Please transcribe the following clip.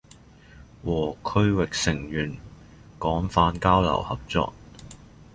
和區域成員廣泛交流合作